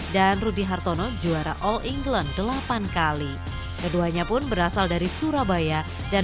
sembilan puluh dua dan rudy hartono juara all england delapan kali keduanya pun berasal dari surabaya dan